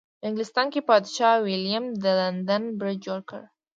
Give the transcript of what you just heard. په انګلستان کې پادشاه ویلیم د لندن برج جوړ کړ.